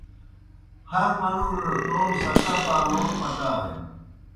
ہر منُوڙَڑ توموْ سکا پالون پکارِن۔